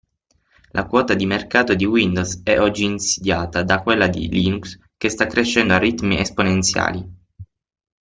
La quota di mercato di Windows è oggi insidiata da quella di Linux che sta crescendo a ritmi esponenziali.